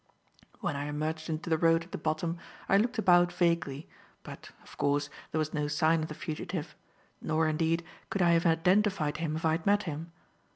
When I emerged into the road at the bottom, I looked about vaguely, but, of course there was no sign of the fugitive nor, indeed, could I have identified him if I had met him.